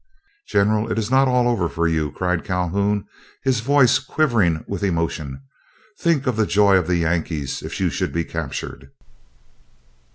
"General, it is not all over for you," cried Calhoun, his voice quivering with emotion. "Think of the joy of the Yankees if you should be captured.